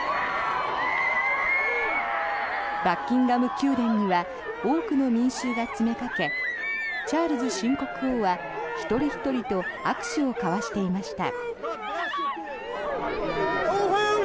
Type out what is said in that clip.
バッキンガム宮殿には多くの民衆が詰めかけチャールズ新国王は一人ひとりと握手を交わしていました。